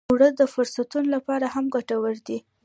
اوړه د قرصو لپاره هم ګټور دي